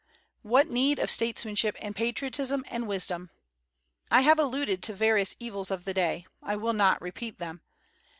What need of statesmanship and patriotism and wisdom! I have alluded to various evils of the day. I will not repeat them.